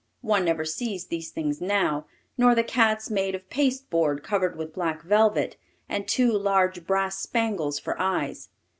One never sees these things now; nor the cats made of paste board covered with black velvet, and two large brass spangles for eyes.